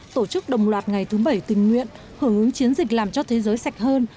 tổ chức đồng loạt ngày thứ bảy tình nguyện hưởng ứng chiến dịch làm cho thế giới sạch hơn